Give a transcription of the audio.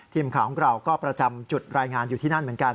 ทีมข่าวของเราก็ประจำจุดรายงานอยู่ที่นั่นเหมือนกัน